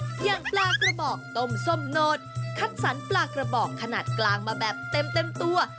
อย่างปลากระบอกต้มส้มโนดคัดสรรปลากระบอกขนาดกลางมาแบบเต็มตัว